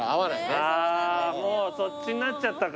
もうそっちなっちゃったか。